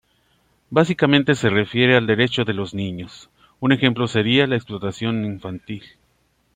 Básicamente se refiere al derecho de los niños, un ejemplo sería la explotación infantil.